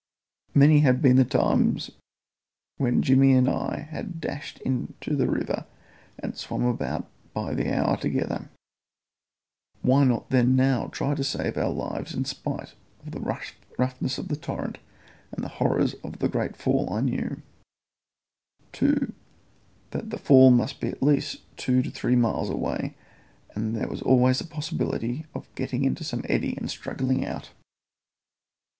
Many had been the times when Jimmy and I had dashed into the river and swum about by the hour together; why not then now try to save our lives in spite of the roughness of the torrent and the horrors of the great fall I knew, too, that the fall must be at least two or three miles away, and there was always the possibility of our getting into some eddy and struggling out.